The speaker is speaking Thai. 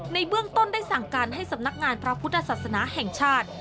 ในเบื้องต้นได้สั่งการให้สำนักงานพระพุทธศาสนาแห่งชาติ